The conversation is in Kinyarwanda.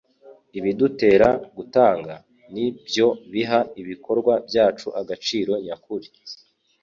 Ibidutera gutanga ni byo biha ibikorwa byacu agaciro nyakuri,